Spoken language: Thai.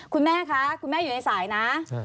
คุณแม่คะคุณแม่อยู่ในสายนะ